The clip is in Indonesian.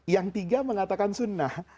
yang tiga mengatakan sunnah